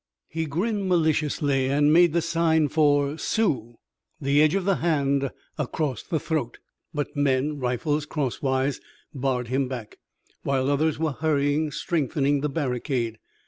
He grinned maliciously and made the sign for "Sioux" the edge of the hand across the throat. But men, rifles crosswise, barred him back, while others were hurrying, strengthening the barricade.